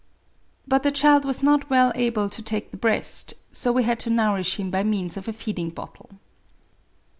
— But the child was not well able to take the breast : so we had to nourish him by means of a feeding bottle.